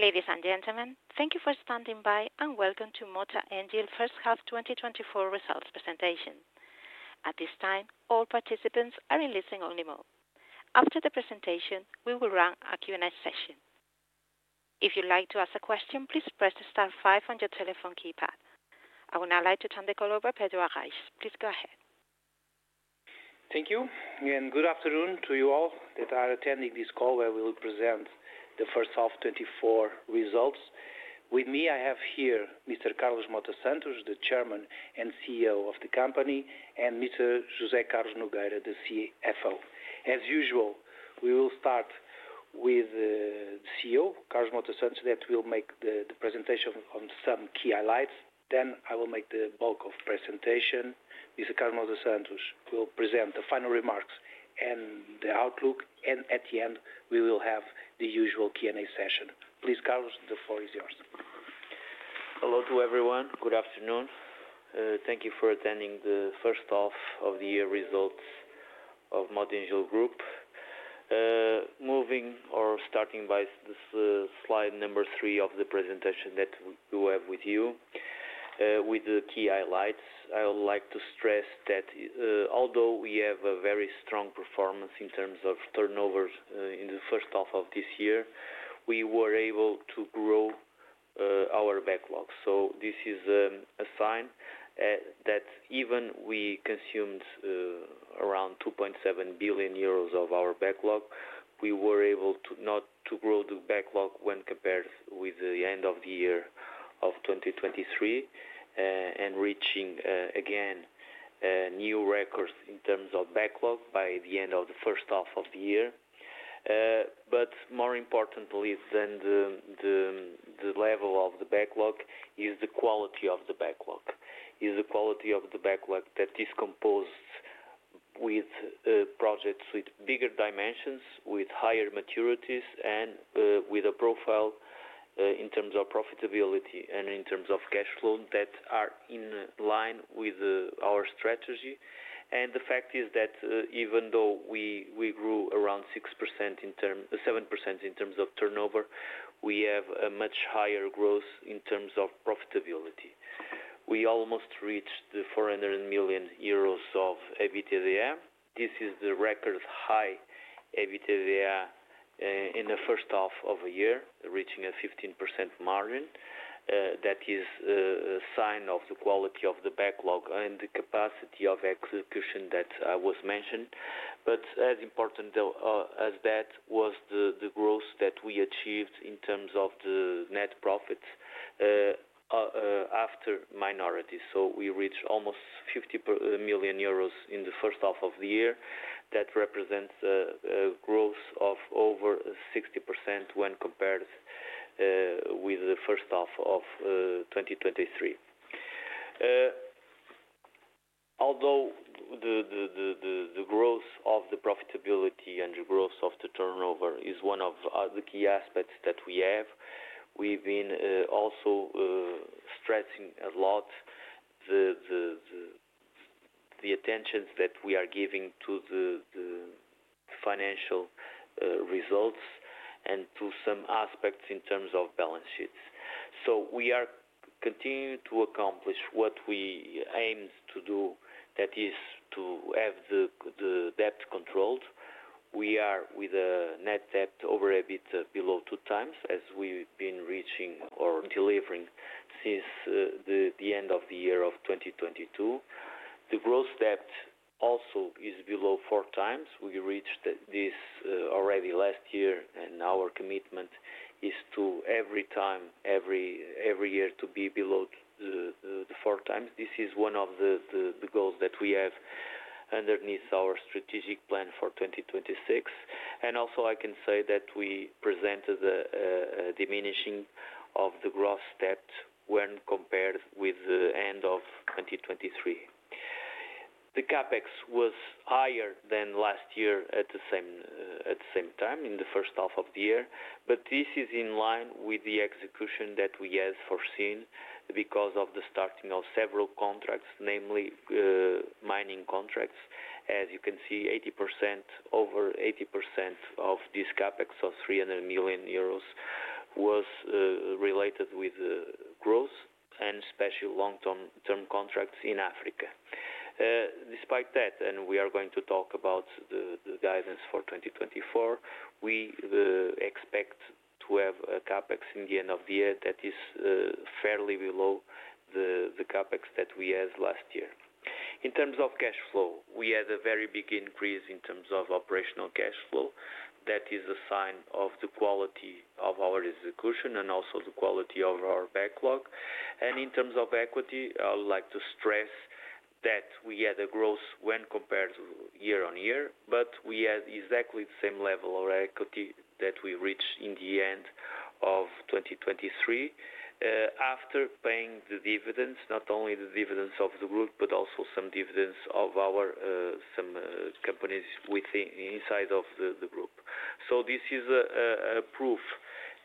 Ladies and gentlemen, thank you for standing by, and welcome to Mota-Engil First Half 2024 Results Presentation. At this time, all participants are in listen-only mode. After the presentation, we will run a Q&A session. If you'd like to ask a question, please press star five on your telephone keypad. I would now like to turn the call over to Pedro Arrais. Please go ahead. Thank you, and good afternoon to you all that are attending this call, where we will present the first half 2024 results. With me, I have here Mr. Carlos Mota Santos, the Chairman and CEO of the company, and Mr. José Carlos Nogueira, the CFO. As usual, we will start with the CEO, Carlos Mota Santos, that will make the presentation on some key highlights. Then I will make the bulk of presentation. Mr. Carlos Mota Santos will present the final remarks and the outlook, and at the end, we will have the usual Q&A session. Please, Carlos, the floor is yours. Hello to everyone. Good afternoon. Thank you for attending the first half of the year results of Mota-Engil Group. Moving or starting by this, slide number 3 of the presentation that we have with you, with the key highlights, I would like to stress that, although we have a very strong performance in terms of turnovers, in the first half of this year, we were able to grow our backlog. So this is a sign that even we consumed around 2.7 billion euros of our backlog, we were able to not to grow the backlog when compared with the end of the year of 2023, and reaching again new records in terms of backlog by the end of the first half of the year. But more importantly than the level of the backlog is the quality of the backlog that is composed with projects with bigger dimensions, with higher maturities and with a profile in terms of profitability and in terms of cash flow that are in line with our strategy. And the fact is that even though we grew around 7% in terms of turnover, we have a much higher growth in terms of profitability. We almost reached 400 million euros of EBITDA. This is the record high EBITDA in the first half of the year, reaching a 15% margin. That is a sign of the quality of the backlog and the capacity of execution that was mentioned. But as important, though, as that was the growth that we achieved in terms of the net profit after minority. So we reached almost 50 million euros in the first half of the year. That represents a growth of over 60% when compared with the first half of 2023. Although the growth of the profitability and the growth of the turnover is one of the key aspects that we have, we've been also stressing a lot the attention that we are giving to the financial results and to some aspects in terms of balance sheets. So we are continuing to accomplish what we aim to do, that is, to have the debt controlled. We are with a net debt of a bit below two times, as we've been reaching or delivering since the end of the year of 2022. The gross debt also is below four times. We reached this already last year, and our commitment is to every time, every year, to be below the four times. This is one of the goals that we have underneath our strategic plan for 2026. And also, I can say that we presented a diminishing of the gross debt when compared with the end of 2023. The CapEx was higher than last year at the same time, in the first half of the year, but this is in line with the execution that we had foreseen because of the starting of several contracts, namely, mining contracts. As you can see, 80%, over 80% of this CapEx of 300 million euros was related with growth and especially long-term contracts in Africa. Despite that, and we are going to talk about the guidance for 2024, we expect to have a CapEx in the end of the year that is fairly below the CapEx that we had last year. In terms of cash flow, we had a very big increase in terms of operational cash flow. That is a sign of the quality of our execution and also the quality of our backlog. In terms of equity, I would like to stress that we had a growth when compared to year on year, but we had exactly the same level of equity that we reached in the end of 2023, after paying the dividends, not only the dividends of the group, but also some dividends of our some companies within inside of the group. So this is a proof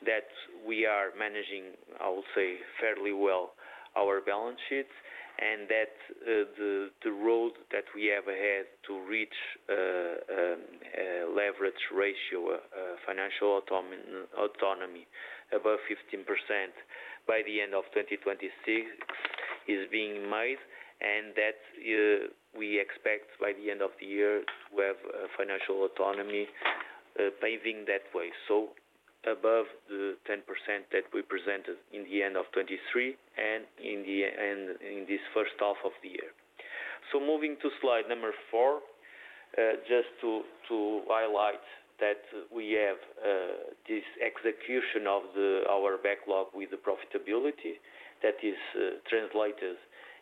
that we are managing, I will say, fairly well our balance sheets and that the road that we have ahead to reach average ratio financial autonomy above 15% by the end of 2026 is being made, and that we expect by the end of the year to have financial autonomy paving that way. Above the 10% that we presented at the end of 2023 and at the end of this first half of the year. Moving to slide 4, just to highlight that we have this execution of our backlog with the profitability that is translated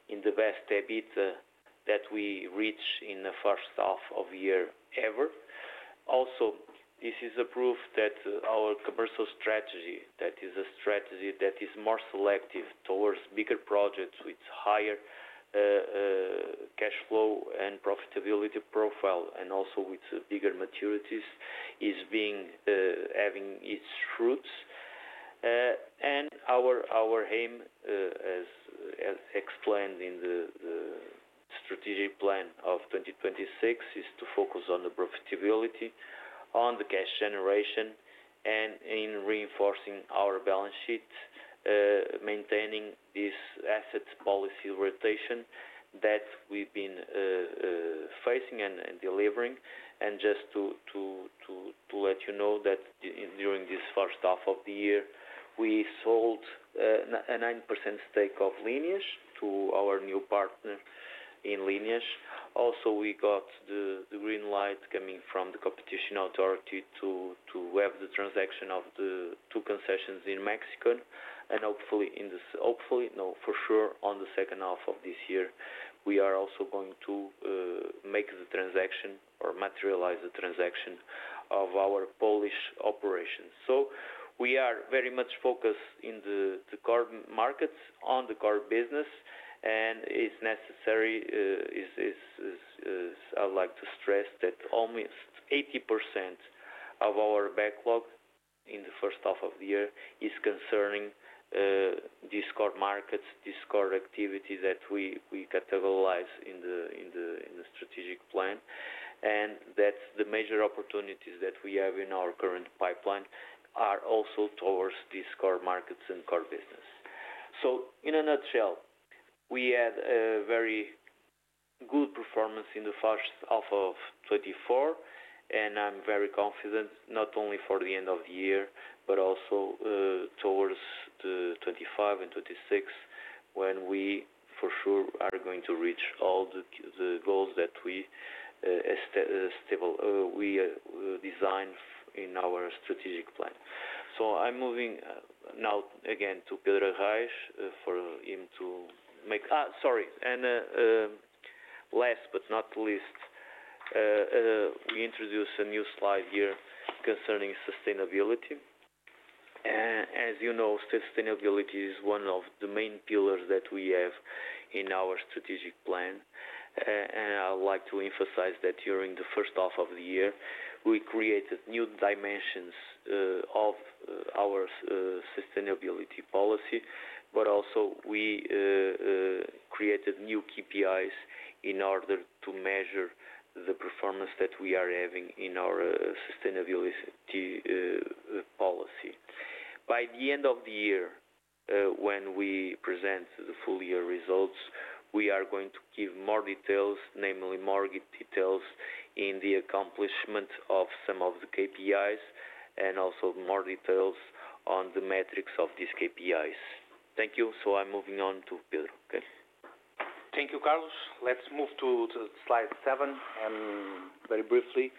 in the best EBITDA that we reach in the first half of the year ever. Also, this is a proof that our commercial strategy, that is a strategy that is more selective towards bigger projects with higher cash flow and profitability profile, and also with bigger maturities, is being having its fruits. And our aim, as explained in the strategic plan of 2026, is to focus on the profitability, on the cash generation, and in reinforcing our balance sheet, maintaining this asset policy rotation that we've been facing and delivering. And just to let you know that during this first half of the year, we sold a 9% stake of Lineas to our new partner in Lineas. Also, we got the green light coming from the Competition Authority to have the transaction of the two concessions in Mexico, and hopefully, no, for sure, on the second half of this year, we are also going to make the transaction or materialize the transaction of our Polish operations. So we are very much focused in the core markets, on the core business, and it's necessary. I would like to stress that almost 80% of our backlog in the first half of the year is concerning these core markets, these core activities that we categorize in the strategic plan. And that the major opportunities that we have in our current pipeline are also towards these core markets and core business. So in a nutshell, we had a very good performance in the first half of 2024, and I'm very confident not only for the end of the year, but also towards the 2025 and 2026, when we for sure are going to reach all the goals that we designed in our strategic plan. I'm moving now again to Pedro Arrais, for him to make. Sorry. Last but not least, we introduce a new slide here concerning sustainability. As you know, sustainability is one of the main pillars that we have in our strategic plan. I would like to emphasize that during the first half of the year, we created new dimensions of our sustainability policy, but also we created new KPIs in order to measure the performance that we are having in our sustainability policy. By the end of the year, when we present the full year results, we are going to give more details, namely more details in the accomplishment of some of the KPIs, and also more details on the metrics of these KPIs. Thank you. I'm moving on to Pedro. Thank you, Carlos. Let's move to slide seven, very briefly.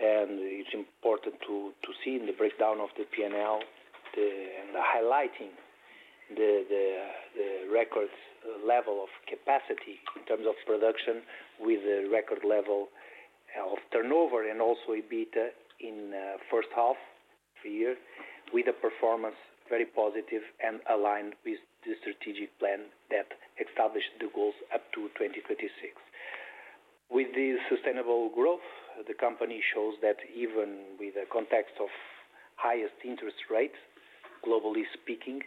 It is important to see in the breakdown of the P&L, highlighting the record level of capacity in terms of production with a record level of turnover and also EBITDA in first half of the year, with a performance very positive and aligned with the strategic plan that established the goals up to 2026. With the sustainable growth, the company shows that even with the context of highest interest rates, globally speaking,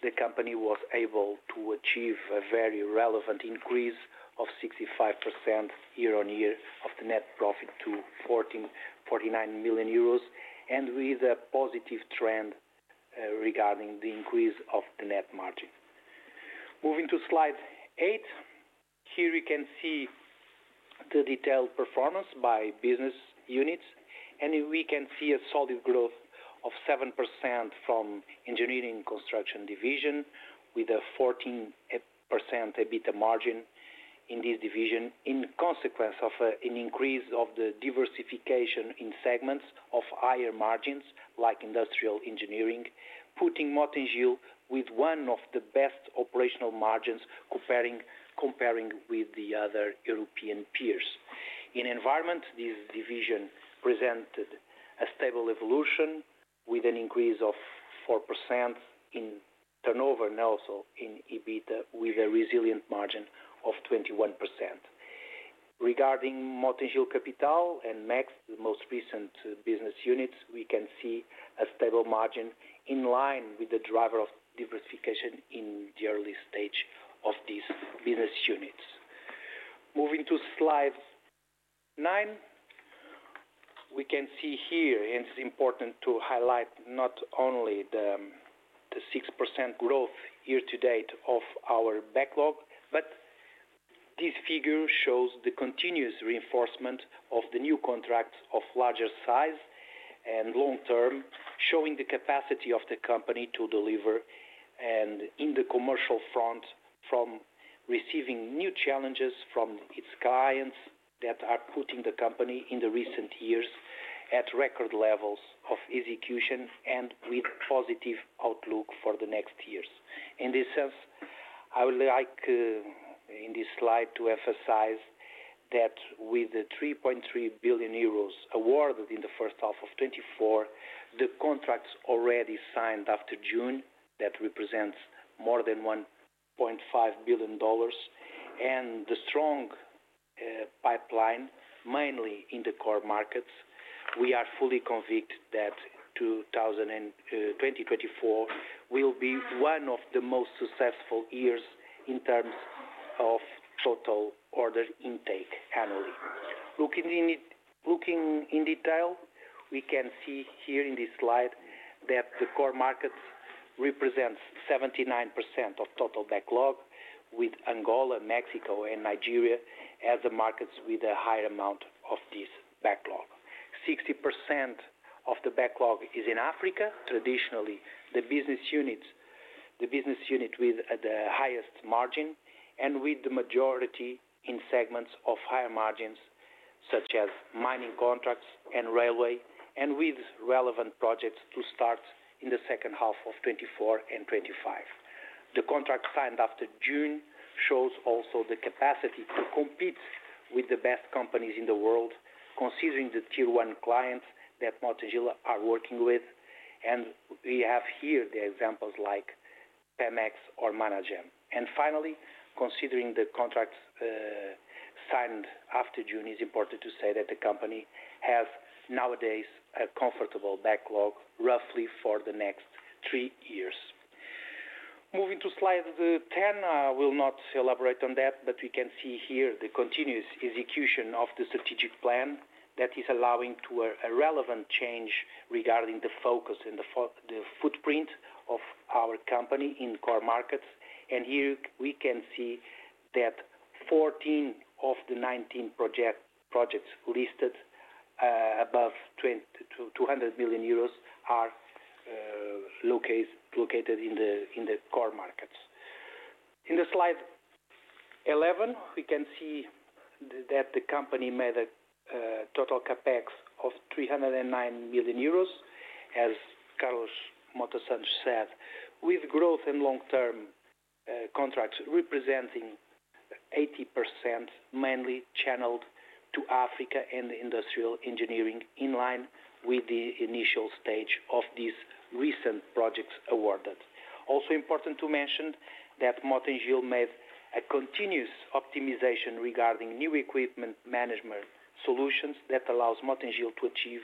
the company was able to achieve a very relevant increase of 65% year-on-year of the net profit to 149 million euros, and with a positive trend regarding the increase of the net margin. Moving to Slide 8, here we can see the detailed performance by business units, and we can see a solid growth of 7% from engineering construction division, with a 14% EBITDA margin in this division, in consequence of an increase of the diversification in segments of higher margins, like industrial engineering, putting Mota-Engil with one of the best operational margins comparing with the other European peers. In Environment, this division presented a stable evolution with an increase of 4% in turnover and also in EBITDA, with a resilient margin of 21%. Regarding Mota-Engil Capital and Next, the most recent business units, we can see a stable margin in line with the driver of diversification in the early stage of these business units.... Moving to Slide 9. We can see here, and it's important to highlight not only the 6% growth year to date of our backlog, but this figure shows the continuous reinforcement of the new contracts of larger size and long term, showing the capacity of the company to deliver. And in the commercial front, from receiving new challenges from its clients that are putting the company in the recent years at record levels of execution and with positive outlook for the next years. In this sense, I would like to, in this slide, to emphasize that with the 3.3 billion euros awarded in the first half of 2024, the contracts already signed after June, that represents more than $1.5 billion, and the strong pipeline, mainly in the core markets, we are fully convinced that 2024 will be one of the most successful years in terms of total order intake annually. Looking in detail, we can see here in this slide that the core markets represents 79% of total backlog, with Angola, Mexico, and Nigeria as the markets with a higher amount of this backlog. 60% of the backlog is in Africa. Traditionally, the business unit with the highest margin and with the majority in segments of higher margins, such as mining contracts and railway, and with relevant projects to start in the second half of 2024 and 2025. The contract signed after June shows also the capacity to compete with the best companies in the world, considering the Tier 1 clients that Mota-Engil are working with. And we have here the examples like Pemex or Managem. And finally, considering the contracts signed after June, it's important to say that the company has nowadays a comfortable backlog, roughly for the next three years. Moving to slide 10, I will not elaborate on that, but we can see here the continuous execution of the strategic plan that is allowing to a relevant change regarding the focus and the footprint of our company in core markets. Here we can see that fourteen of the nineteen projects listed above 200 million euros are located in the core markets. In Slide 11, we can see that the company made a total CapEx of 309 million euros. As Carlos Mota Santos said, "With growth in long-term contracts representing 80%, mainly channeled to Africa and industrial engineering, in line with the initial stage of these recent projects awarded." Also important to mention that Mota-Engil made a continuous optimization regarding new equipment management solutions that allows Mota-Engil to achieve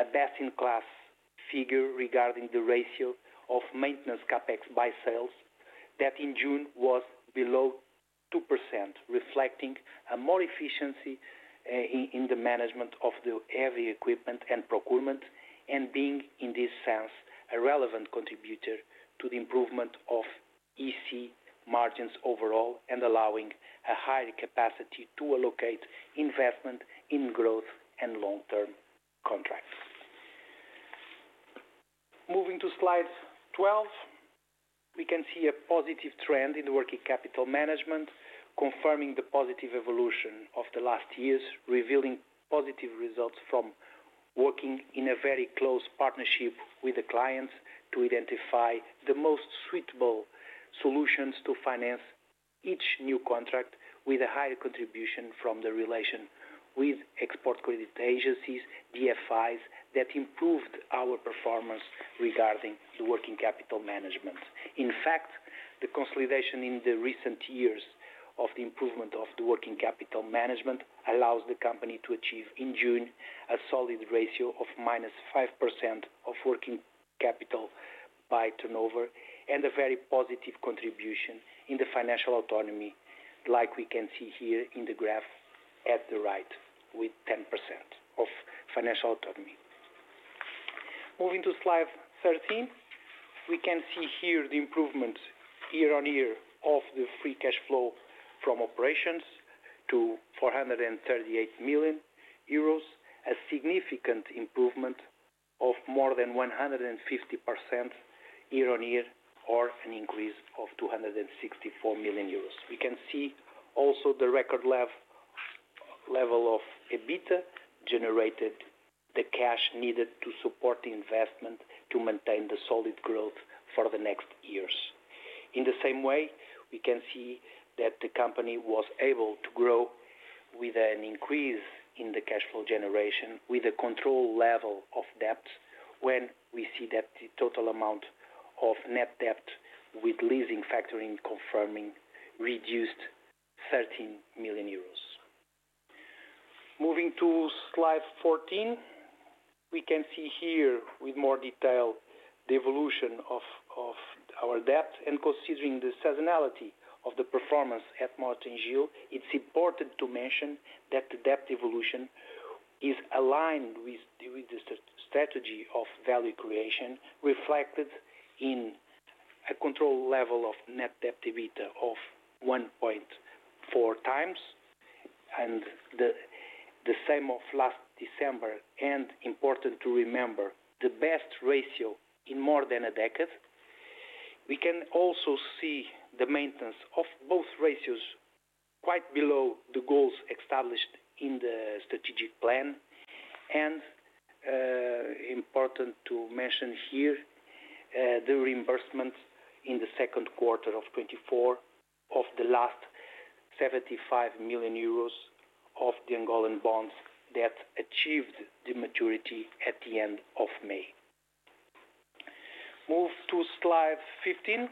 a best-in-class figure regarding the ratio of maintenance CapEx by sales. That in June, was below 2%, reflecting a more efficiency in the management of the heavy equipment and procurement, and being, in this sense, a relevant contributor to the improvement of E&C margins overall, and allowing a higher capacity to allocate investment in growth and long-term contracts. Moving to slide 12, we can see a positive trend in the working capital management, confirming the positive evolution of the last years, revealing positive results from working in a very close partnership with the clients to identify the most suitable solutions to finance each new contract, with a higher contribution from the relation with export credit agencies, DFIs, that improved our performance regarding the working capital management. In fact, the consolidation in the recent years of the improvement of the working capital management allows the company to achieve, in June, a solid ratio of -5% of working capital by turnover, and a very positive contribution in the financial autonomy, like we can see here in the graph at the right, with 10% of financial autonomy. Moving to slide 13, we can see here the improvement year on year of the free cash flow from operations to 438 million euros, a significant improvement of more than 150% year on year, or an increase of 264 million euros. We can see also the record level of EBITDA generated, the cash needed to support the investment to maintain the solid growth for the next years. In the same way, we can see that the company was able to grow with an increase in the cash flow generation, with a controlled level of debt when we see that the total amount of net debt with leasing factoring confirming reduced 13 million euros. Moving to slide 14, we can see here with more detail the evolution of our debt. Considering the seasonality of the performance at Mota-Engil, it is important to mention that the debt evolution is aligned with the strategy of value creation, reflected in a control level of net debt to EBITDA of 1.4x, and the same of last December, and important to remember, the best ratio in more than a decade. We can also see the maintenance of both ratios quite below the goals established in the strategic plan. Important to mention here the reimbursements in the second quarter of 2024 of the lastEUR 75 million of the Angolan bonds that achieved the maturity at the end of May. Move to slide 15.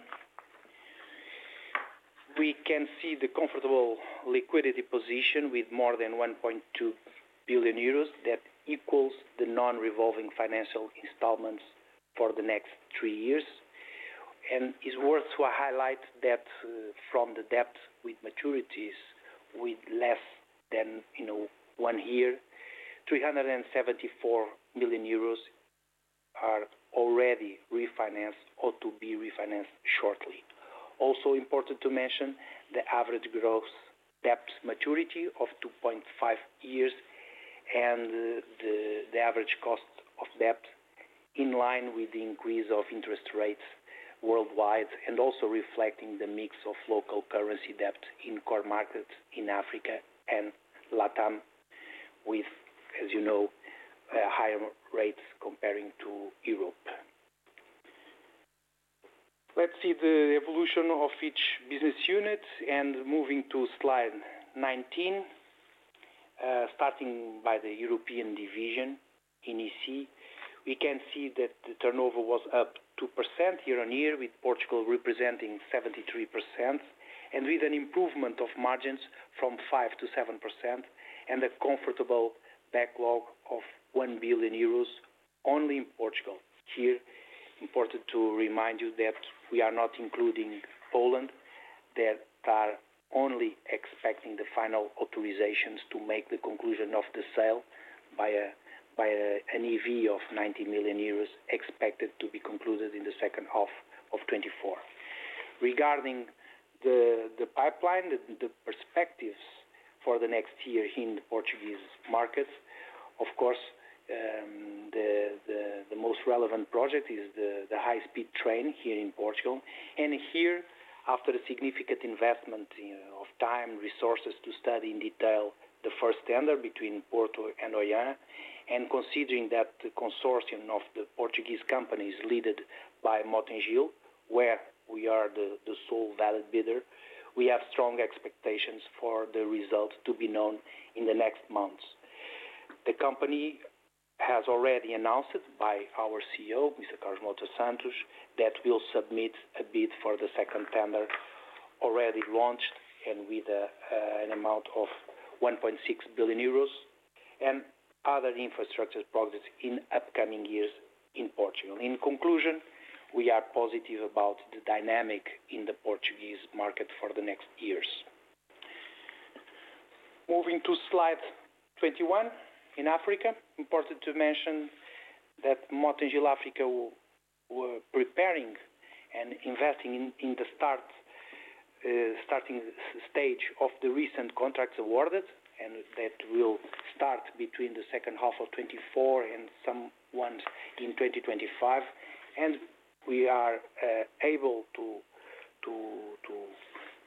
We can see the comfortable liquidity position with more than 1.2 billion euros. That equals the non-revolving financial installments for the next three years. It's worth to highlight that from the debt with maturities with less than, you know, one year, 374 million euros are already refinanced or to be refinanced shortly. Also important to mention, the average gross debt maturity of 2.5 years, and the average cost of debt in line with the increase of interest rates worldwide, and also reflecting the mix of local currency debt in core markets in Africa and Latam, with, as you know, higher rates comparing to Europe. Let's see the evolution of each business unit, and moving to slide 19. Starting by the European division, E&C, we can see that the turnover was up 2% year-on-year, with Portugal representing 73%, and with an improvement of margins from 5%-7%, and a comfortable backlog of 1 billion euros only in Portugal. Here, important to remind you that we are not including Poland, that are only expecting the final authorizations to make the conclusion of the sale by an EV of 90 million euros, expected to be concluded in the second half of 2024. Regarding the pipeline, the perspectives for the next year in the Portuguese markets, of course, the most relevant project is the high-speed train here in Portugal. And here, after a significant investment, you know, of time, resources to study in detail the first tender between Porto and Oiã, and considering that the consortium of the Portuguese companies, led by Mota-Engil, where we are the sole valid bidder, we have strong expectations for the results to be known in the next months. The company has already announced it by our CEO, Mr. Carlos Mota Santos, that we'll submit a bid for the second tender already launched, and with an amount of 1.6 billion euros and other infrastructure projects in upcoming years in Portugal. In conclusion, we are positive about the dynamic in the Portuguese market for the next years. Moving to slide 21. In Africa, important to mention that Mota-Engil Africa were preparing and investing in the starting stage of the recent contracts awarded, and that will start between the second half of 2024 and some in 2025. We are able to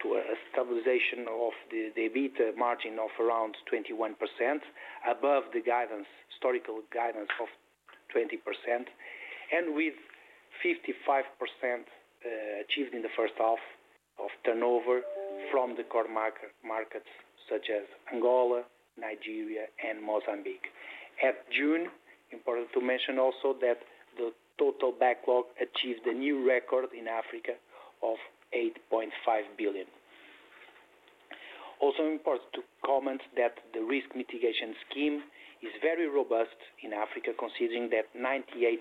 a stabilization of the EBITDA margin of around 21%, above the guidance, historical guidance of 20%, and with 55% achieved in the first half of turnover from the core markets, such as Angola, Nigeria, and Mozambique. At June, important to mention also that the total backlog achieved a new record in Africa of 8.5 billion. Also important to comment that the risk mitigation scheme is very robust in Africa, considering that 98%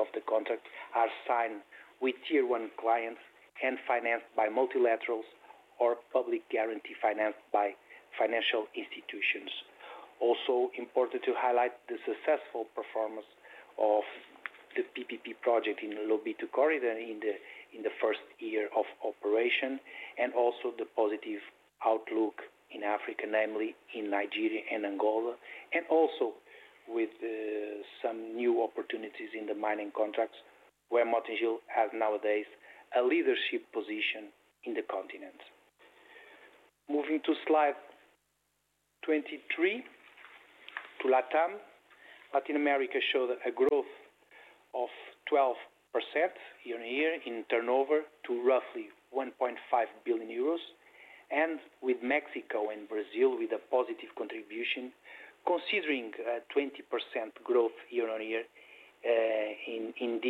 of the contracts are signed with Tier 1 clients and financed by multilaterals or public guarantee financed by financial institutions. Also important to highlight the successful performance of the PPP project in the Lobito Corridor in the first year of operation, and also the positive outlook in Africa, namely in Nigeria and Angola, and also with some new opportunities in the mining contracts, where Mota-Engil has nowadays a leadership position in the continent. Moving to slide 23, to Latam. Latin America showed a growth of 12% year-on-year in turnover to roughly 1.5 billion euros, and with Mexico and Brazil with a positive contribution, considering a 20% growth year-on-year in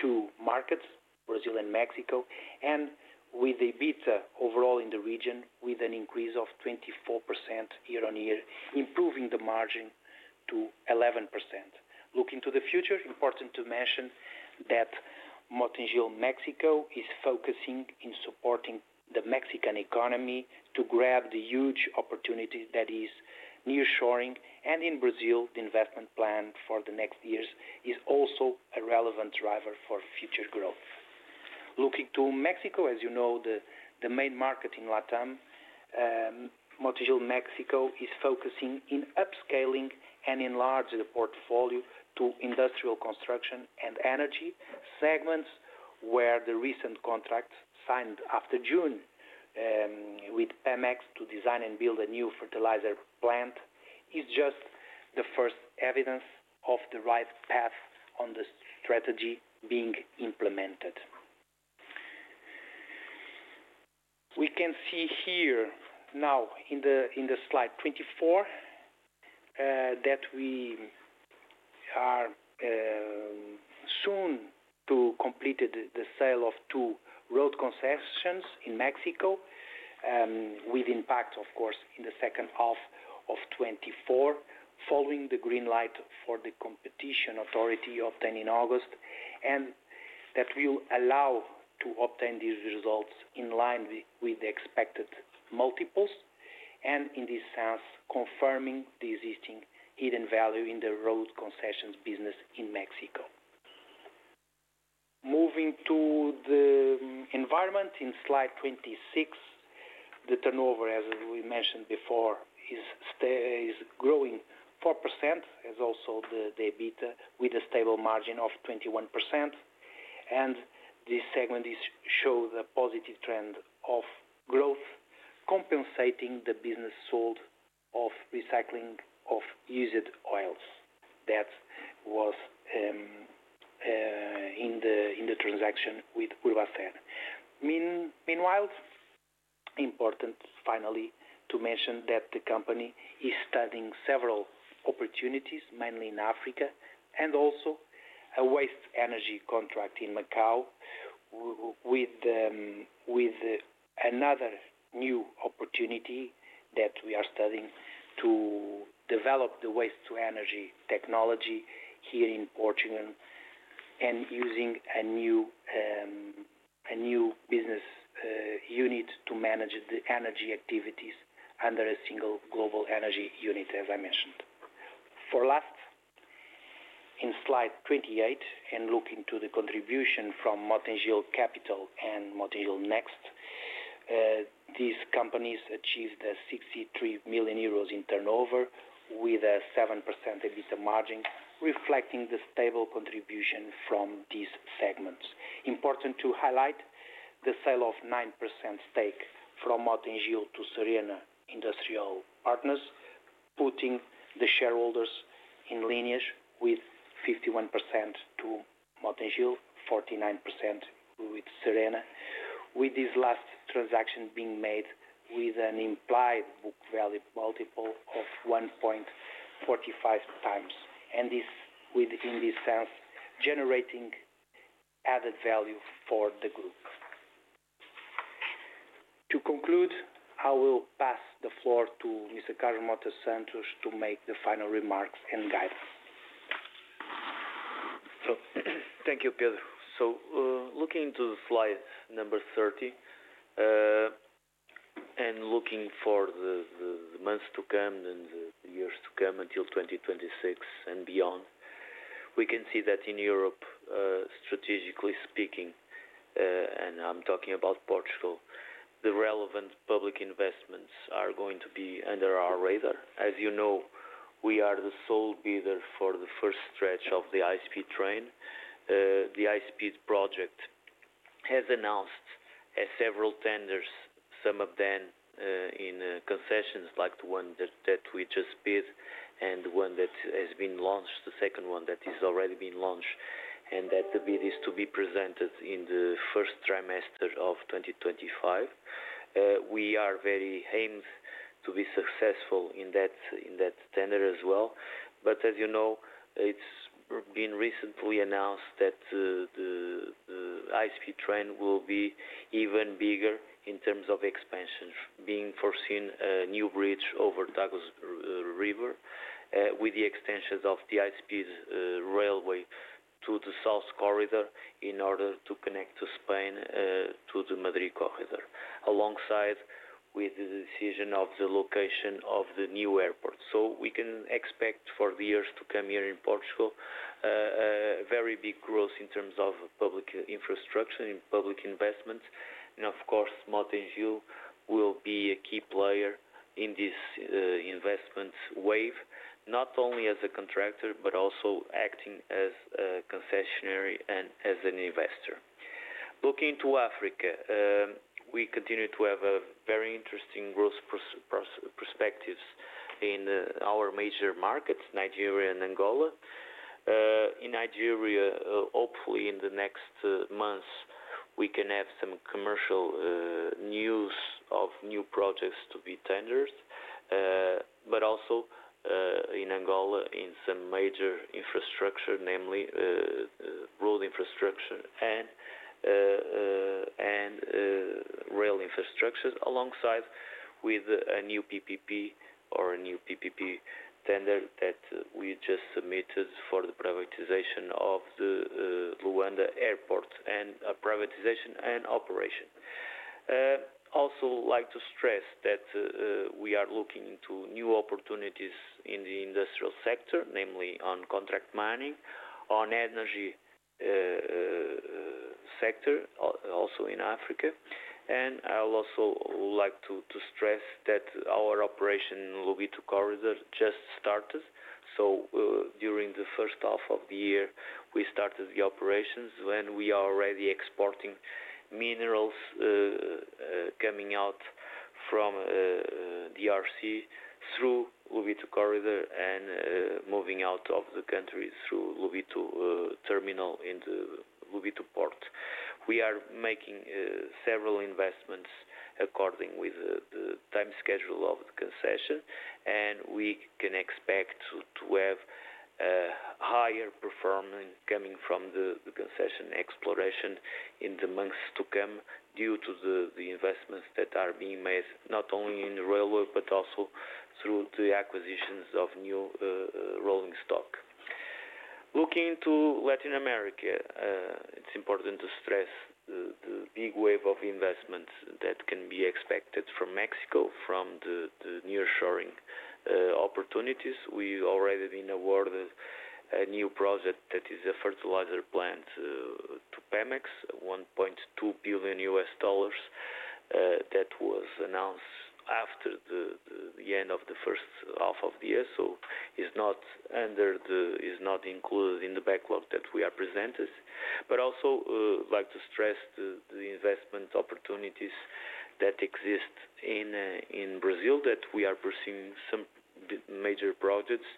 two markets, Brazil and Mexico, and with EBITDA overall in the region, with an increase of 24% year-on-year, improving the margin to 11%. Looking to the future, important to mention that Mota-Engil Mexico is focusing in supporting the Mexican economy to grab the huge opportunity that is nearshoring. In Brazil, the investment plan for the next years is also a relevant driver for future growth. Looking to Mexico, as you know, the main market in Latam, Mota-Engil Mexico is focusing in upscaling and enlarging the portfolio to industrial construction and energy segments, where the recent contract signed after June, with Pemex to design and build a new fertilizer plant, is just the first evidence of the right path on the strategy being implemented. We can see here now in the slide 24, that we are soon to complete the sale of two road concessions in Mexico, with impact, of course, in the second half of 2024, following the green light for the Competition Authority obtained in August. That will allow to obtain these results in line with the expected multiples, and in this sense, confirming the existing hidden value in the road concessions business in Mexico. Moving to the environment in slide 26, the turnover, as we mentioned before, is growing 4%, as also the EBITDA, with a stable margin of 21%. This segment shows the positive trend of growth, compensating the business sold of recycling of used oils that was in the transaction with Urbaser. Meanwhile, it is important finally to mention that the company is studying several opportunities, mainly in Africa, and also a waste-to-energy contract in Macau, with another new opportunity that we are studying to develop the waste-to-energy technology here in Portugal, and using a new business unit to manage the energy activities under a single global energy unit, as I mentioned. For last, in slide 28, and looking to the contribution from Mota-Engil Capital and Mota-Engil Next, these companies achieved 63 million euros in turnover, with a 7% EBITDA margin, reflecting the stable contribution from these segments. Important to highlight the sale of 9% stake from Mota-Engil to Serena Industrial Partners, putting the shareholders in line with 51% to Mota-Engil, 49% with Serena, with this last transaction being made with an implied book value multiple of 1.45x, and this, within this sense, generating added value for the group. To conclude, I will pass the floor to Mr. Carlos Mota Santos to make the final remarks and guidance. Thank you, Pedro. Looking to the slide number 30, and looking for the months to come and the years to come until 2026 and beyond, we can see that in Europe, strategically speaking, and I'm talking about Portugal, the relevant public investments are going to be under our radar. As you know, we are the sole bidder for the first stretch of the high-speed train. The high-speed project has announced several tenders, some of them in concessions, like the one that we just bid and one that has been launched, the second one that has already been launched, and that the bid is to be presented in the first trimester of 2025. We are very aimed to be successful in that tender as well. But as you know, it's been recently announced that the high-speed train will be even bigger in terms of expansion, being foreseen a new bridge over Tagus River, with the extensions of the high-speed railway to the south corridor in order to connect to Spain, to the Madrid corridor, alongside with the decision of the location of the new airport. So we can expect for the years to come here in Portugal, a very big growth in terms of public infrastructure and public investments. And of course, Mota-Engil will be a key player in this, investment wave, not only as a contractor, but also acting as a concessionaire and as an investor. Looking to Africa, we continue to have a very interesting growth perspectives in, our major markets, Nigeria and Angola. In Nigeria, hopefully in the next months. We can have some commercial news of new projects to be tendered, but also in Angola, in some major infrastructure, namely road infrastructure and rail infrastructures, alongside with a new PPP or a new PPP tender that we just submitted for the privatization of the Luanda Airport, and privatization and operation. Also like to stress that we are looking into new opportunities in the industrial sector, namely on contract mining, on energy sector, also in Africa, and I'll also like to stress that our operation in Lobito Corridor just started. So during the first half of the year, we started the operations, and we are already exporting minerals coming out from DRC through Lobito Corridor and moving out of the country through Lobito terminal into Lobito port. We are making several investments according with the time schedule of the concession, and we can expect to have higher performance coming from the concession exploration in the months to come, due to the investments that are being made, not only in the railway, but also through the acquisitions of new rolling stock. Looking to Latin America, it's important to stress the big wave of investments that can be expected from Mexico, from the nearshoring opportunities. We've already been awarded a new project that is a fertilizer plant to Pemex, $1.2 billion. That was announced after the end of the first half of the year, so it's not included in the backlog that we are presenting. But also, like to stress the investment opportunities that exist in Brazil, that we are pursuing some major projects,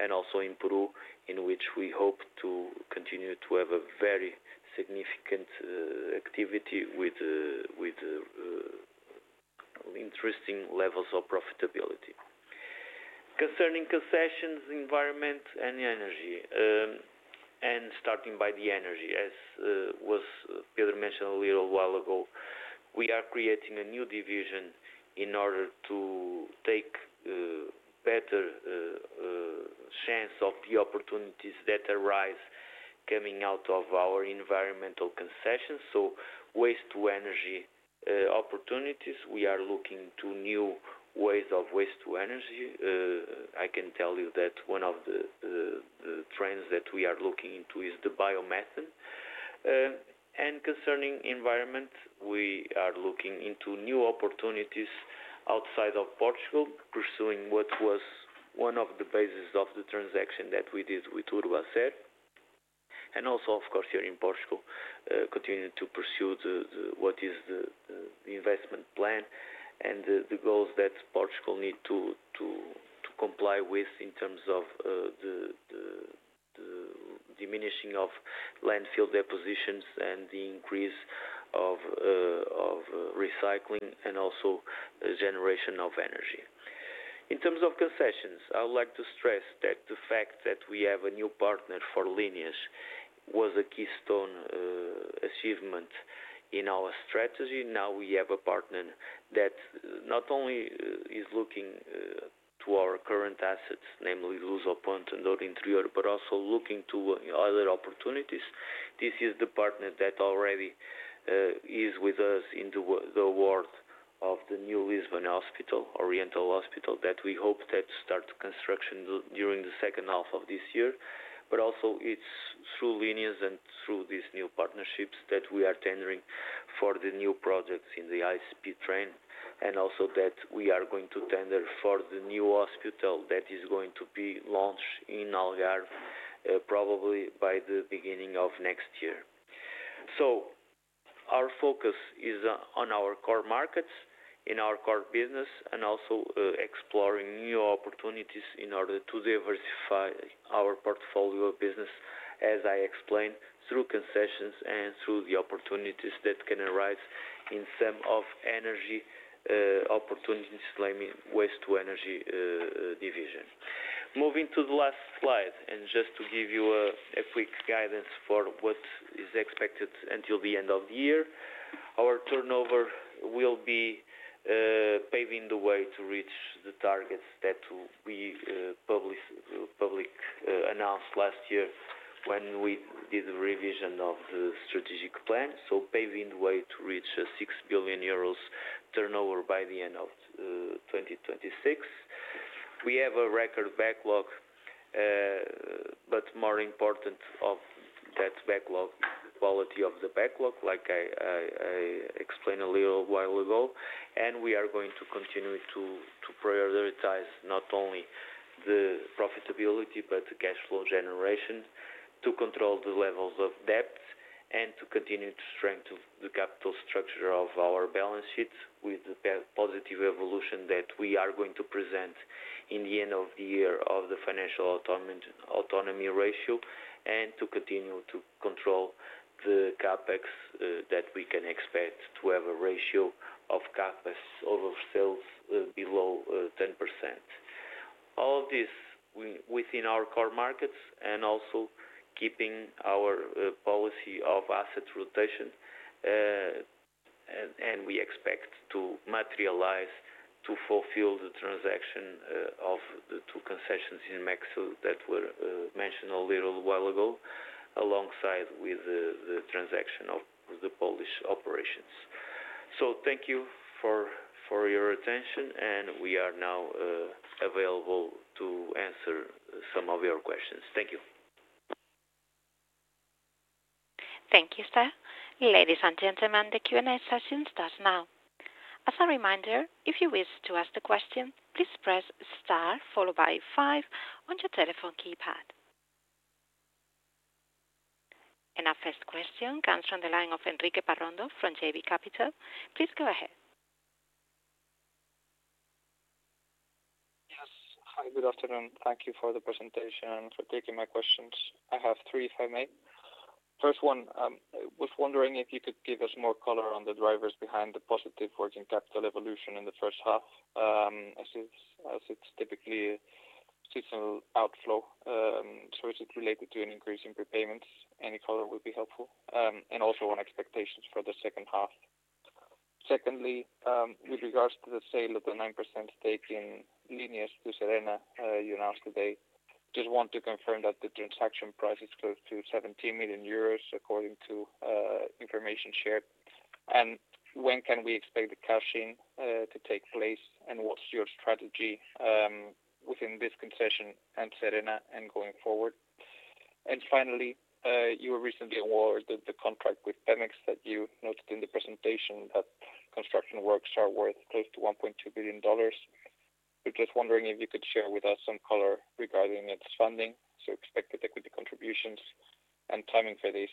and also in Peru, in which we hope to continue to have a very significant activity with interesting levels of profitability. Concerning concessions, environment, and energy, and starting by the energy, as was Pedro mentioned a little while ago, we are creating a new division in order to take better chance of the opportunities that arise coming out of our environmental concessions. Waste-to-energy opportunities, we are looking to new ways of waste-to-energy. I can tell you that one of the trends that we are looking into is the biomethane, and concerning environment, we are looking into new opportunities outside of Portugal, pursuing what was one of the bases of the transaction that we did with Urbaser, and also, of course, here in Portugal, continuing to pursue the investment plan and the goals that Portugal need to comply with in terms of the diminishing of landfill depositions and the increase of recycling and also the generation of energy. In terms of concessions, I would like to stress that the fact that we have a new partner for Lineas was a keystone achievement in our strategy. Now we have a partner that not only is looking to our current assets, namely Lusoponte and Norte Interior, but also looking to other opportunities. This is the partner that already is with us in the award of the new Lisboa Oriental Hospital, that we hope that start construction during the second half of this year. But also it's through Lineas and through these new partnerships that we are tendering for the new projects in the high-speed train, and also that we are going to tender for the new hospital that is going to be launched in Algarve, probably by the beginning of next year. Our focus is on our core markets, in our core business, and also exploring new opportunities in order to diversify our portfolio of business, as I explained, through concessions and through the opportunities that can arise in some energy opportunities, I mean, waste-to-energy division. Moving to the last slide, and just to give you a quick guidance for what is expected until the end of the year. Our turnover will be paving the way to reach the targets that we publicly announced last year when we did the revision of the strategic plan. Paving the way to reach a 6 billion euros turnover by the end of 2026. We have a record backlog, but more important than that backlog is the quality of the backlog, like I explained a little while ago. We are going to continue to prioritize not only the profitability, but the cash flow generation, to control the levels of debt, and to continue to strengthen the capital structure of our balance sheets with the positive evolution that we are going to present in the end of the year of the financial autonomy ratio, and to continue to control the CapEx that we can expect to have a ratio of CapEx over sales below 10%. All this within our core markets and also keeping our policy of asset rotation, and we expect to materialize to fulfill the transaction of the two concessions in Mexico that were mentioned a little while ago, alongside with the transaction of the Polish operations. Thank you for your attention, and we are now available to answer some of your questions. Thank you. Thank you, sir. Ladies and gentlemen, the Q&A session starts now. As a reminder, if you wish to ask the question, please press star followed by five on your telephone keypad. And our first question comes from the line of Enrique Parrondo from JB Capital. Please go ahead. Yes. Hi, good afternoon. Thank you for the presentation, for taking my questions. I have three, if I may. First one, I was wondering if you could give us more color on the drivers behind the positive working capital evolution in the first half, as it's typically seasonal outflow, so is it related to an increase in prepayments? Any color would be helpful, and also on expectations for the second half. Secondly, with regards to the sale of the 9% stake in Lineas to Serena, you announced today, just want to confirm that the transaction price is close to 17 million euros, according to information shared. And when can we expect the closing to take place? And what's your strategy within this concession and Serena and going forward? Finally, you were recently awarded the contract with Pemex that you noted in the presentation that construction works are worth close to $1.2 billion. We're just wondering if you could share with us some color regarding its funding, so expected equity contributions and timing for this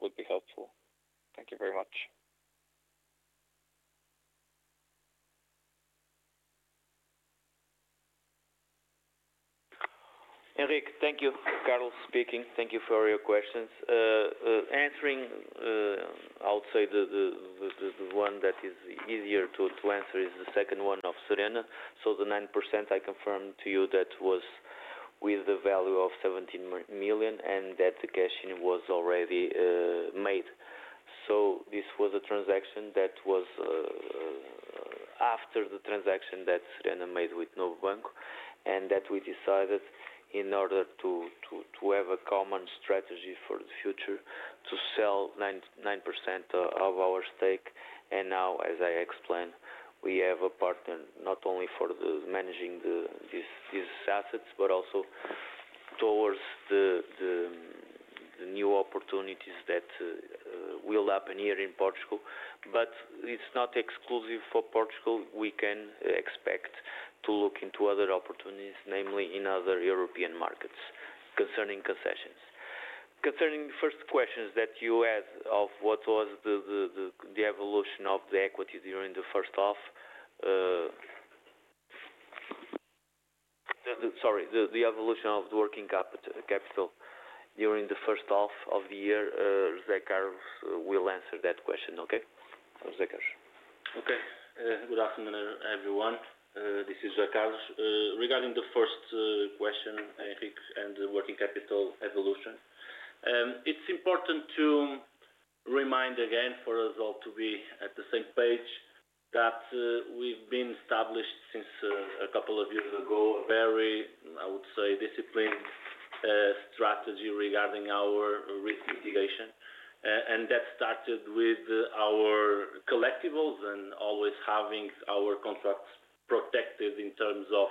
would be helpful. Thank you very much. Enrique, thank you. Carlos speaking. Thank you for all your questions. Answering, I would say the one that is easier to answer is the second one of Serena. So the 9%, I confirm to you that was with the value of 17 million, and that the cashing was already made. So this was a transaction that was after the transaction that Serena made with Novo Banco, and that we decided in order to have a common strategy for the future, to sell 9% of our stake. And now, as I explained, we have a partner, not only for the managing these assets, but also towards the new opportunities that will happen here in Portugal. But it's not exclusive for Portugal. We can expect to look into other opportunities, namely in other European markets, concerning concessions. Concerning the first questions that you asked of what was the evolution of the equity during the first half, sorry, the evolution of the working capital during the first half of the year, José Carlos will answer that question, okay? José Carlos. Okay. Good afternoon, everyone. This is José Carlos. Regarding the first question, Enrique, and the working capital evolution, it's important to remind again, for us all to be at the same page, that we've been established since a couple of years ago, a very, I would say, disciplined strategy regarding our risk mitigation. And that started with our receivables and always having our contracts protected in terms of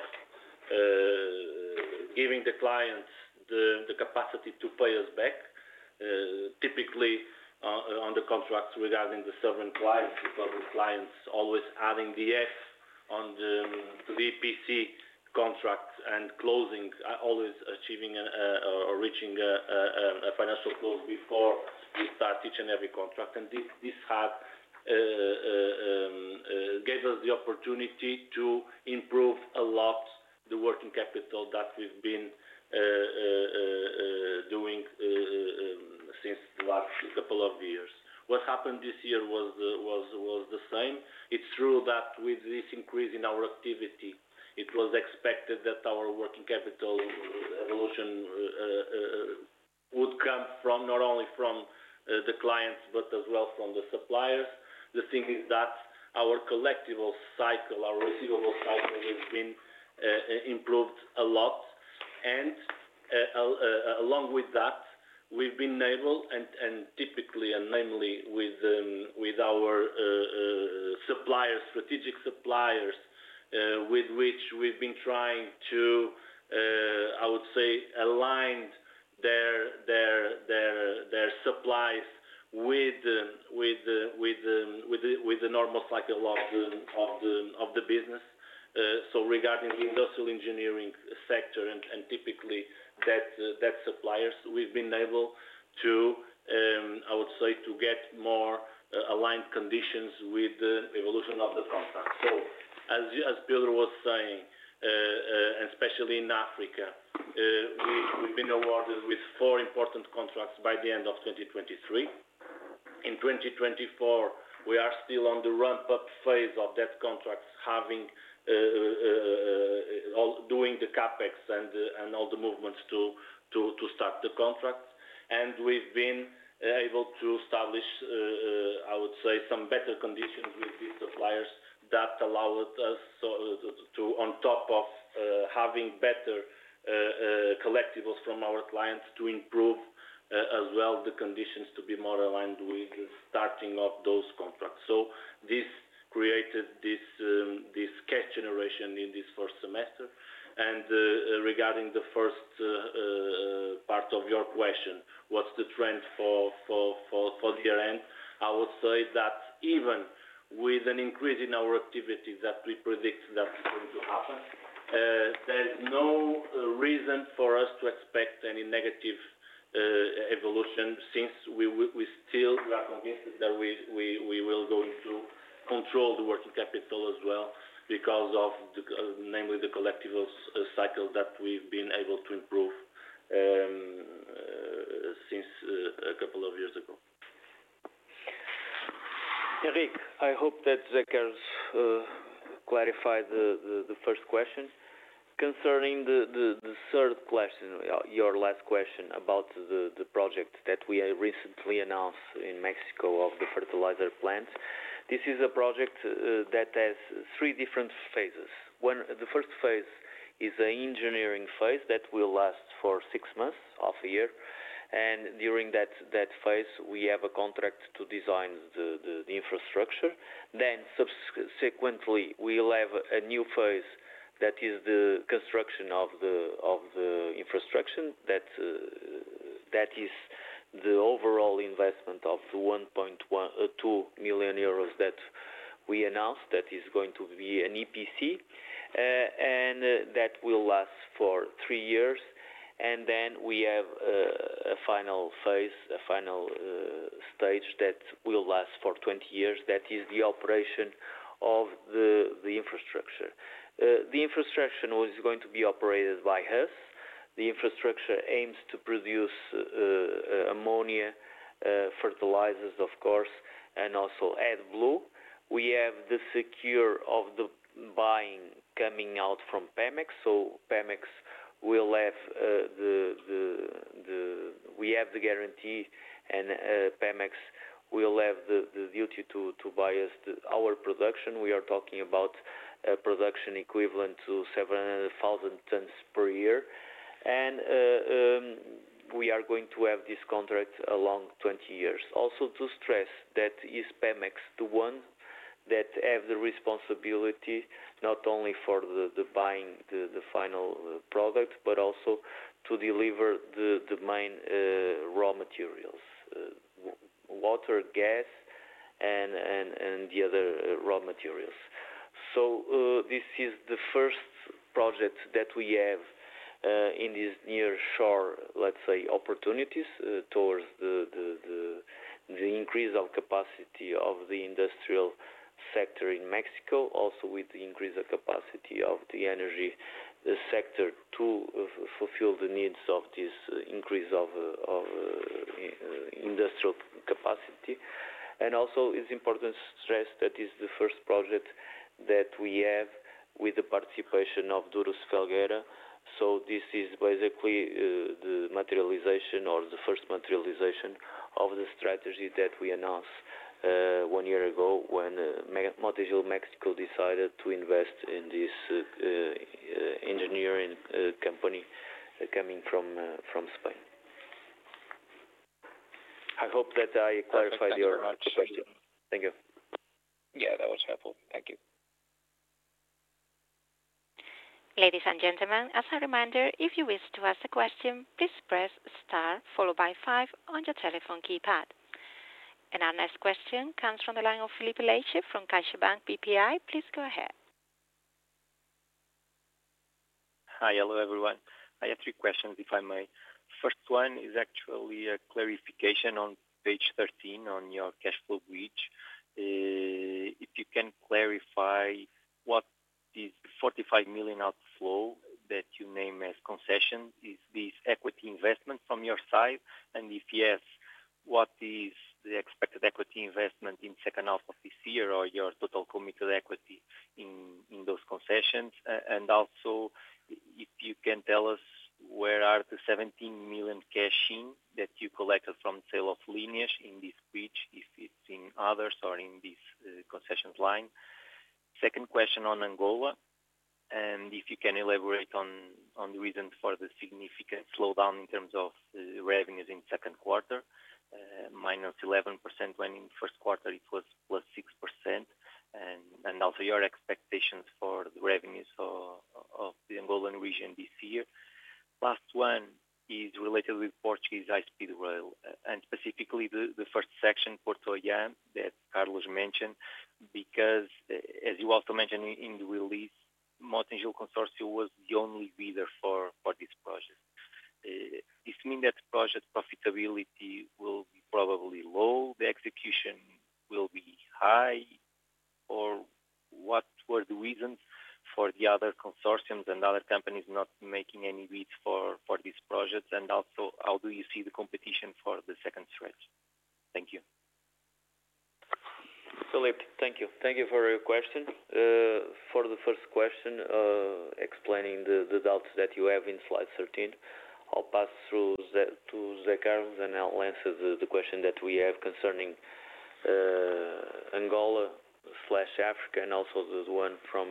giving the clients the capacity to pay us back, typically, on the contracts regarding the sovereign clients, because the clients always adding the X on the EPC contracts and closing, always achieving or reaching a financial close before we start each and every contract. And this has gave us the opportunity to improve a lot the working capital that we've been doing since the last couple of years. What happened this year was the same. It's true that with this increase in our activity, it was expected that our working capital evolution would come from, not only from the clients, but as well from the suppliers. The thing is that our collectible cycle, our receivable cycle, has been improved a lot. And along with that, we've been able and typically and namely with our suppliers, strategic suppliers, with which we've been trying to, I would say, align their supplies with the normal cycle of the business. Regarding the industrial engineering sector and typically that suppliers, we've been able to, I would say, to get more aligned conditions with the evolution of the contract. As Pedro was saying, and especially in Africa, we've been awarded with four important contracts by the end of 2023. In 2024, we are still on the ramp-up phase of that contracts, having all-- doing the CapEx and all the movements to start the contract. We've been able to establish, I would say, some better conditions with these suppliers that allowed us to, on top of having better collectibles from our clients, to improve as well the conditions to be more aligned with the starting of those contracts. This created this cash generation in this first semester. Regarding the first part of your question, what's the trend for the year-end? I would say that even with an increase in our activity that we predict that's going to happen, there's no reason for us to expect any negative evolution since we still are convinced that we will go into control the working capital as well, because of, namely, the collections cycle that we've been able to improve since a couple of years ago. Enrique, I hope that José Carlos clarified the first question. Concerning the third question, your last question about the project that we have recently announced in Mexico of the fertilizer plant. This is a project that has three different phases. One, the first phase is an engineering phase that will last for six months, half a year, and during that phase, we have a contract to design the infrastructure. Then subsequently, we'll have a new phase that is the construction of the infrastructure. That is the overall investment of 1.12 million euros that we announced. That is going to be an EPC, and that will last for 3 years. And then we have a final phase, a final stage that will last for 20 years. That is the operation of the infrastructure. The infrastructure was going to be operated by us. The infrastructure aims to produce ammonia, fertilizers, of course, and also AdBlue. We have the secure of the buying coming out from Pemex. So Pemex will have the... We have the guarantee, and Pemex will have the duty to buy us the our production. We are talking about a production equivalent to seven hundred thousand tons per year. And we are going to have this contract along 20 years. Also, to stress that is Pemex, the one that have the responsibility, not only for the buying the final product, but also to deliver the main raw materials, water, gas, and the other raw materials. This is the first project that we have in this nearshoring, let's say, opportunities towards the increase of capacity of the industrial sector in Mexico, also with the increase of capacity of the energy sector to fulfill the needs of this increase of industrial capacity. And also, it is important to stress that it is the first project that we have with the participation of Duro Felguera. This is basically the materialization or the first materialization of the strategy that we announced one year ago when Mota-Engil Mexico decided to invest in this engineering company coming from Spain. I hope that I clarified your question. Thank you very much. Yeah, that was helpful. Thank you. Ladies and gentlemen, as a reminder, if you wish to ask a question, please press star followed by five on your telephone keypad. Our next question comes from the line of Filipe Leite from CaixaBank BPI. Please go ahead. Hi. Hello, everyone. I have three questions, if I may. First one is actually a clarification on page 13 on your cash flow bridge. If you can clarify what this 45 million outflow that you name as concession, is this equity investment from your side? And if yes, what is the expected equity investment in second half of this year, or your total committed equity in, in those concessions? And also, if you can tell us where are the 17 million cash in that you collected from sale of Lineas in this bridge, if it's in others or in this, concessions line? Second question on Angola, and if you can elaborate on the reasons for the significant slowdown in terms of revenues in second quarter, -11%, when in first quarter it was +6%, and also your expectations for the revenues for-- of the Angolan region this year. Last one is related with Portuguese high speed rail, and specifically the first section, Porto-Oiã, that Carlos mentioned, because as you also mentioned in the release, Mota-Engil Consortium was the only bidder for this project. This mean that project profitability will be probably low, the execution will be high?... or what were the reasons for the other consortiums and other companies not making any bids for these projects? And also, how do you see the competition for the second stretch? Thank you. Filipe, thank you. Thank you for your question. For the first question, explaining the doubts that you have in slide 13, I'll pass to José Carlos, and I'll answer the question that we have concerning Angola, Africa, and also the one from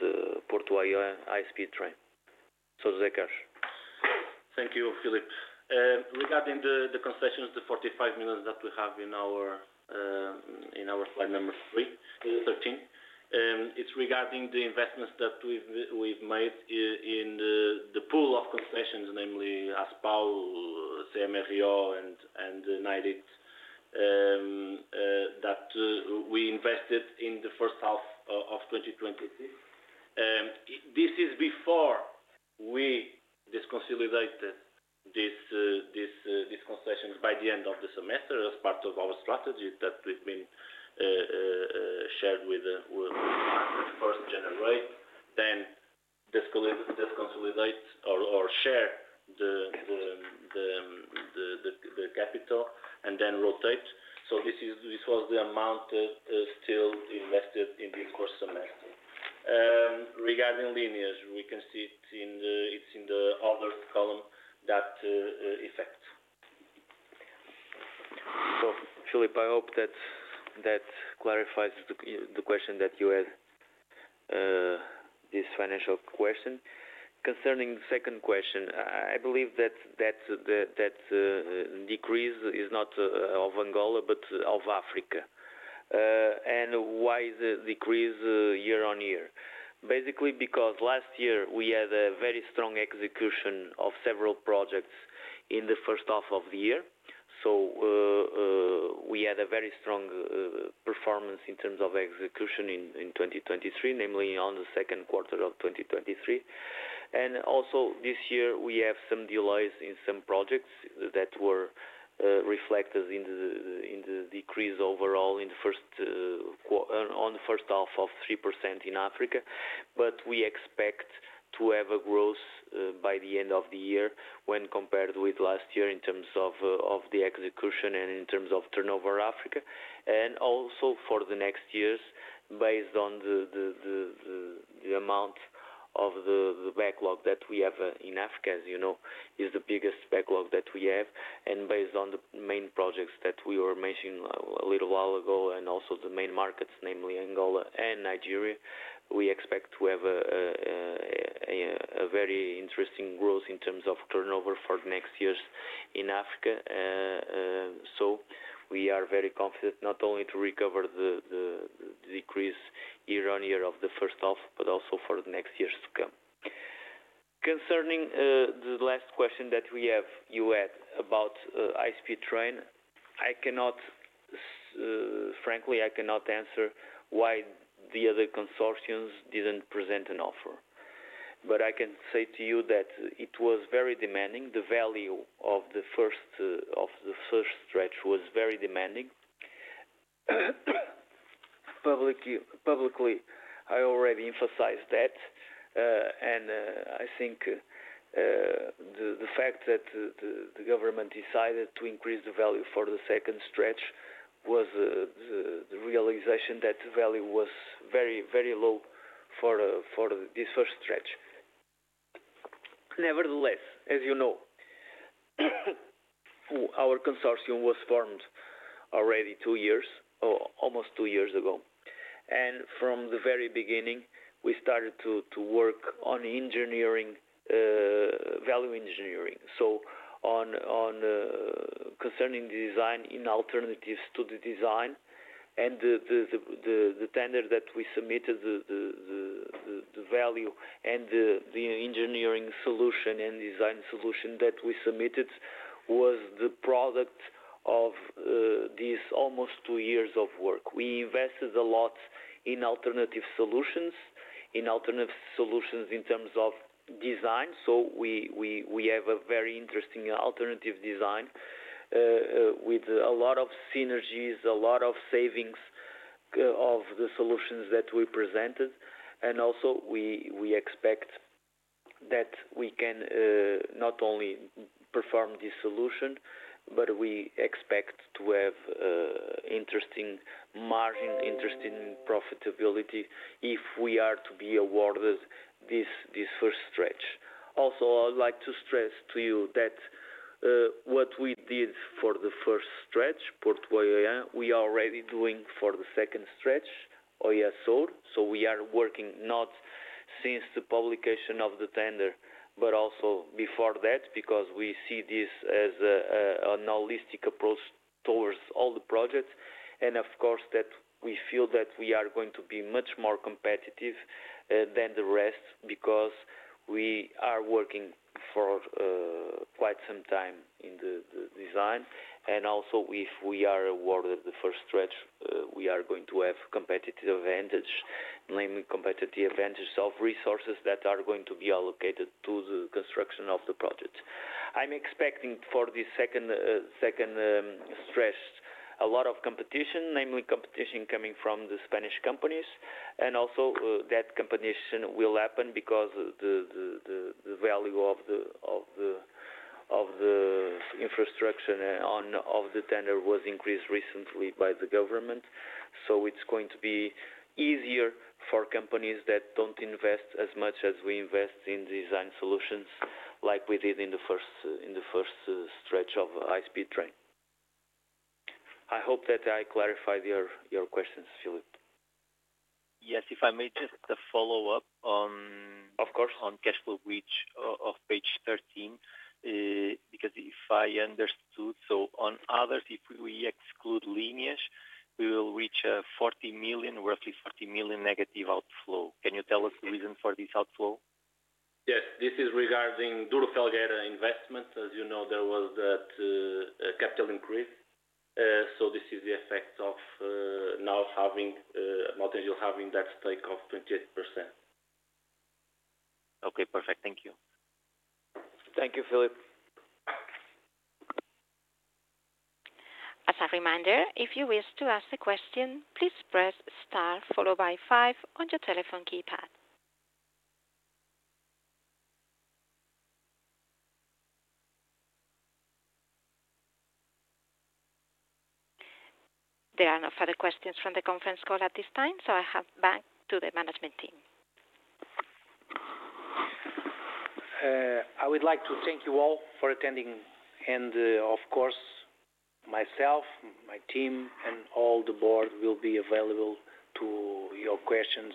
the Porto high-speed train. So José Carlos. Thank you, Filipe. Regarding the concessions, the 45 million that we have in our slide number three, thirteen, it's regarding the investments that we've made in the pool of concessions, namely Aspal, CMRIO and United that we invested in the first half of 2023. This is before we disconsolidated this concessions by the end of the semester as part of our strategy that we've been shared with first generate, then disconsolidate or share the capital and then rotate. So this was the amount still invested in this first semester. Regarding Lineas, we can see it in the, it's in the other column, that effect. So, Filipe, I hope that clarifies the question that you had, this financial question. Concerning the second question, I believe that that's the decrease is not of Angola, but of Africa. And why the decrease year-on-year? Basically, because last year we had a very strong execution of several projects in the first half of the year. So we had a very strong performance in terms of execution in 2023, namely on the second quarter of 2023. And also this year, we have some delays in some projects that were reflected in the decrease overall in the first half of 3% in Africa. But we expect to have a growth by the end of the year when compared with last year in terms of of the execution and in terms of turnover, Africa. And also for the next years, based on the amount of the backlog that we have in Africa, as you know, is the biggest backlog that we have. And based on the main projects that we were mentioning a little while ago, and also the main markets, namely Angola and Nigeria, we expect to have a very interesting growth in terms of turnover for next years in Africa. So we are very confident not only to recover the decrease year-on-year of the first half, but also for the next years to come. Concerning the last question that we have you had about high-speed train, I cannot, frankly, I cannot answer why the other consortiums didn't present an offer. But I can say to you that it was very demanding. The value of the first stretch was very demanding. Publicly I already emphasized that, and I think the government decided to increase the value for the second stretch was the realization that the value was very, very low for this first stretch. Nevertheless, as you know, our consortium was formed already two years or almost two years ago, and from the very beginning, we started to work on value engineering. Concerning the design alternatives to the design and the tender that we submitted, the value and the engineering solution and design solution that we submitted was the product of these almost two years of work. We invested a lot in alternative solutions, in alternative solutions in terms of design. We have a very interesting alternative design with a lot of synergies, a lot of savings of the solutions that we presented. And also, we expect that we can not only perform this solution, but we expect to have interesting margin, interesting profitability if we are to be awarded this first stretch. Also, I would like to stress to you that what we did for the first stretch, Porto, we are already doing for the second stretch, Oiã. So we are working not since the publication of the tender, but also before that, because we see this as a holistic approach towards all the projects. And of course, that we feel that we are going to be much more competitive than the rest because we are working for quite some time in the design. And also, if we are awarded the first stretch, we are going to have competitive advantage, namely competitive advantage of resources that are going to be allocated to the construction of the project. I'm expecting for the second stretch a lot of competition, namely competition coming from the Spanish companies, and also that competition will happen because the value of the infrastructure on the tender was increased recently by the government. So it's going to be easier for companies that don't invest as much as we invest in design solutions, like we did in the first stretch of high-speed train. I hope that I clarified your questions, Filipe. Yes, if I may, just a follow-up on- Of course. On cash flow, which is on page 13, because if I understood, so on others, if we exclude Lineas, we will reach a 40 million, roughly 40 million negative outflow. Can you tell us the reason for this outflow? Yes. This is regarding Duro Felguera investment. As you know, there was that capital increase, so this is the effect of now having Mota-Engil having that stake of 28%. Okay, perfect. Thank you. Thank you, Filipe. As a reminder, if you wish to ask a question, please press Star followed by five on your telephone keypad. There are no further questions from the conference call at this time, so I hand back to the management team. I would like to thank you all for attending, and, of course, myself, my team, and all the board will be available to your questions,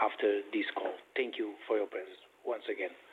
after this call. Thank you for your presence once again.